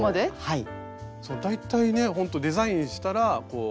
はい。